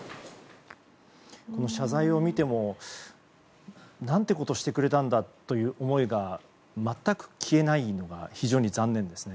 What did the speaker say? この謝罪を見ても何てことをしてくれたんだという思いが全く消えないのが非常に残念ですね。